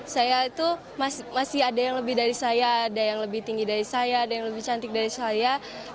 saya itu masih ada yang lebih dari saya ada yang lebih tinggi dari saya ada yang lebih cantik dari saya